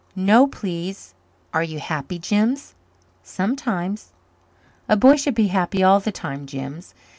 "No, please." "Are you happy, Jims?" "Sometimes." "A boy should be happy all the time, Jims."